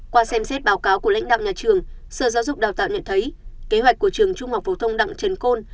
qua xem xét báo cáo của lãnh đạo nhà trường sở giáo dục đào tạo nhận thấy kế hoạch của trường trung học phổ thông đặng trần côn